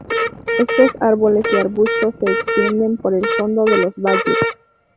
Estos árboles y arbustos se extienden por el fondo de los valles.